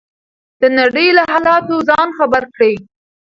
د نړۍ له حالاتو ځان خبر کړئ.